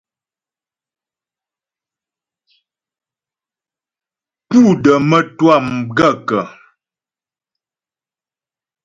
Pú də mətwâ m gaə́kə̀ ?